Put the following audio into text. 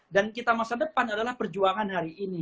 dan kita masa depan adalah perjuangan hari ini